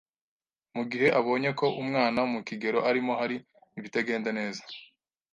mu gihe abonye ko umwana mu kigero arimo hari ibitagenda neza.